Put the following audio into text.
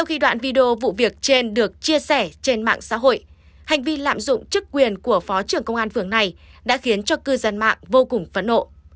khi đoạn video vụ việc trên được chia sẻ trên mạng xã hội hành vi lạm dụng chức quyền của phó trưởng công an phường này đã khiến cho cư dân mạng vô cùng phấn ngộ